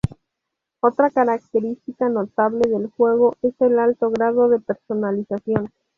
Otra característica notable del juego es el alto grado de personalización.